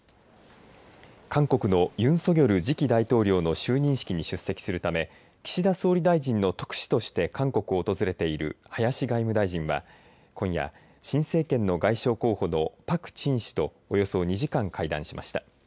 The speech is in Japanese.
韓国のユン・ソギョル次期大統領の就任式に出席するため岸田総理大臣の特使として韓国を訪れている林外務大臣は今夜、新政権の外相候補のパク・チン氏とおよそ２時間、会談しました。